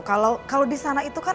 kalau kalau disana itu kan